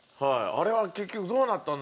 「あれは結局どうなったんですか？